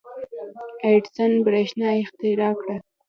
• اډېسن برېښنا اختراع کړه.